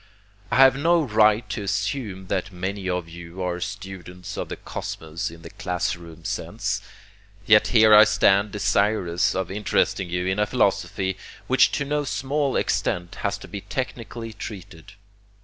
I have no right to assume that many of you are students of the cosmos in the class room sense, yet here I stand desirous of interesting you in a philosophy which to no small extent has to be technically treated.